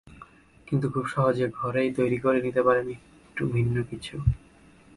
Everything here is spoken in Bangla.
কিন্তু খুব সহজে ঘরেই তৈরি করে নিতে পারেন একটু ভিন্ন কিছু।